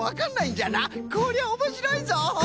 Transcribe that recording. こりゃおもしろいぞ！